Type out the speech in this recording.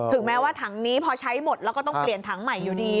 แม้ว่าถังนี้พอใช้หมดแล้วก็ต้องเปลี่ยนถังใหม่อยู่ดี